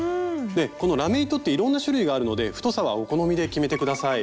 このラメ糸っていろんな種類があるので太さはお好みで決めて下さい。